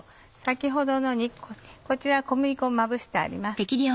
先ほどのにこちら小麦粉をまぶしてあります。